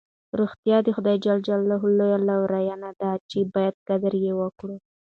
روغتیا د خدای ج لویه لورینه ده چې باید قدر یې وکړو.